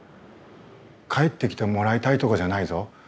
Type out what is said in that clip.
帰ってきてもらいたいとかじゃないぞ。